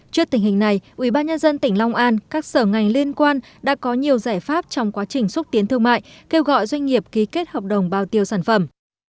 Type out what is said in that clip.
trước tình hình này ubnd tỉnh long an các sở ngành liên quan đã có nhiều giải pháp trong quá trình xúc tiến thương mại kêu gọi doanh nghiệp ký kết hợp đồng bao tiêu sản phẩm